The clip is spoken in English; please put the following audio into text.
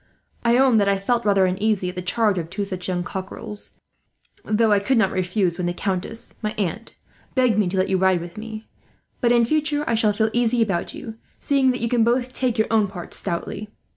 I own that I felt rather uneasy at the charge of two such young cockerels, though I could not refuse when the countess, my aunt, begged me to let you ride with me; but in future I shall feel easy about you, seeing that you can both take your own parts stoutly.